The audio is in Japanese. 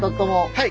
はい。